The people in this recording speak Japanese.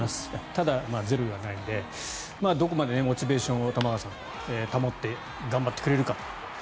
ただ、ゼロじゃないのでどこまでモチベーションを玉川さん、保って頑張ってくれるかと。